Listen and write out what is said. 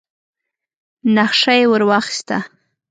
نخشه يې ور واخيسه.